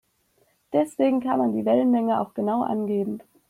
Deswegen kann man die Wellenlänge auch genau angeben.